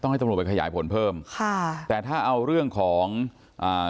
ให้ตำรวจไปขยายผลเพิ่มค่ะแต่ถ้าเอาเรื่องของอ่า